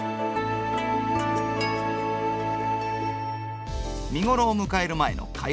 見頃を迎える前の偕楽園。